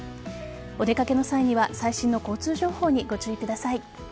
お出掛けの際には最新の交通情報にご注意ください。